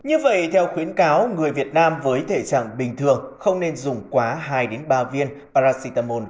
như vậy theo khuyến cáo người việt nam với thể trạng bình thường không nên dùng quá hai ba viên paracetamol